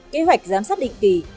kế hoạch giám sát định kỳ